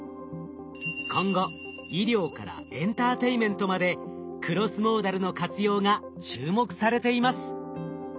今後医療からエンターテインメントまでクロスモーダルの活用が注目されています。